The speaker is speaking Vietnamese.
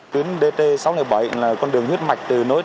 tuyến dt sáu trăm linh bảy là con đường huyết mạch từ nội dân